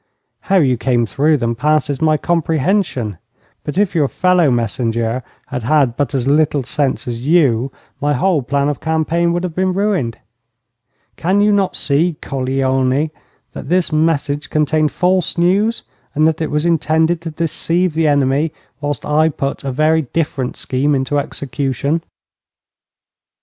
How you came through them passes my comprehension; but if your fellow messenger had had but as little sense as you, my whole plan of campaign would have been ruined. Can you not see, coglione, that this message contained false news, and that it was intended to deceive the enemy whilst I put a very different scheme into execution?'